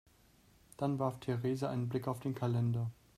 Dann warf Theresa einen Blick auf den Kalender.